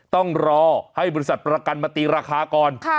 ต้องรอให้บริษัทประกันมาตีราคาก่อน